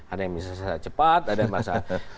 ada yang bisa cepat ada yang merasa